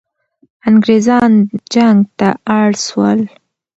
انګریزان جنگ ته اړ سول.